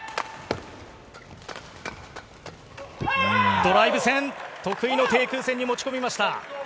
ドライブ戦、得意の低空戦に持ち込みました。